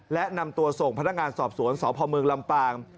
และนำตัวส่งพนักงานสอบสวนสพเมืองลำปาง